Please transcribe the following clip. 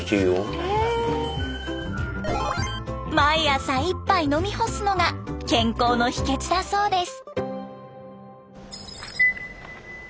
毎朝１杯飲み干すのが健康の秘けつだそうです。